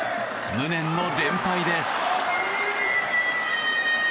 無念の連敗です。